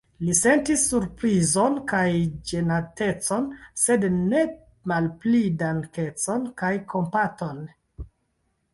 Li sentis surprizon kaj ĝenatecon, sed ne malpli dankecon kaj kompaton.